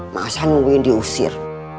masa nungguin diusir